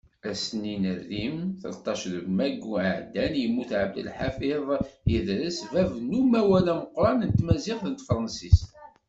Ass-nni n arim, telṭac deg maggu iɛeddan, i yemmut Abdelḥafiḍ Idres bab n umawal ameqqran tamaziɣt d tefrensist.